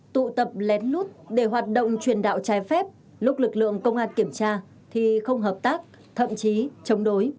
tụ tập lén lút để hoạt động truyền đạo trái phép lúc lực lượng công an kiểm tra thì không hợp tác thậm chí chống đối